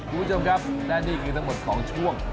คุณผู้ชมครับและนี่คือทั้งหมด๒ช่วง